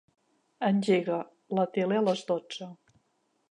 Engega la tele a les dotze.